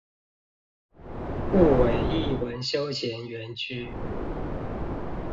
滬尾藝文休閒園區